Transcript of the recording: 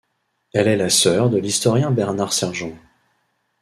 Elle est la sœur de l'historien Bernard Sergent.